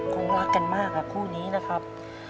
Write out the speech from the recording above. คงรักกันมากคู่นี้นะครับ